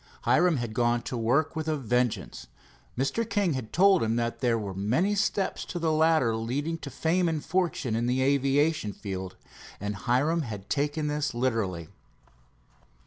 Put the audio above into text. Hiram had gone to work with a vengeance. Mr. King had told him that there were many steps to the ladder leading to fame and fortune in the aviation field, and Hiram had taken this literally.